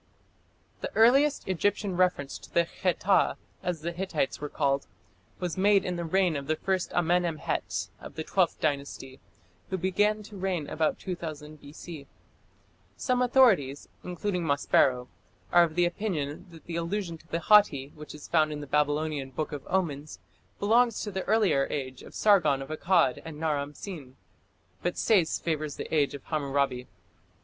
The earliest Egyptian reference to the Kheta, as the Hittites were called, was made in the reign of the first Amenemhet of the Twelfth Dynasty, who began to reign about 2000 B.C. Some authorities, including Maspero, are of opinion that the allusion to the Hatti which is found in the Babylonian Book of Omens belongs to the earlier age of Sargon of Akkad and Naram Sin, but Sayce favours the age of Hammurabi.